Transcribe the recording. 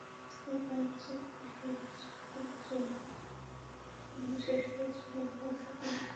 তবে বাণিজ্যিক বিষয়গুলো যেহেতু মহাসচিব দেখবেন, সেসবের জন্য বোনাসও তিনি পাবেন।